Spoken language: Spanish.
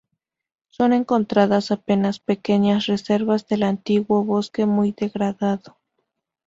Son encontradas apenas pequeñas reservas del antiguo bosque muy degradado.